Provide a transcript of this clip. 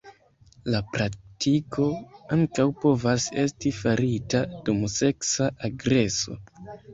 La praktiko ankaŭ povas esti farita dum seksa agreso.